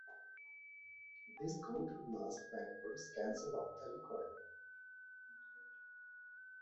This counter blast backwards cancelled out the recoil.